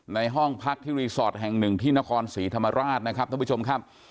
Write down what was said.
ในห้องพักที่รีสอร์ทแห่งหนึ่งที่นครศรีธรรมราชนะครับท่านผู้ชมครับ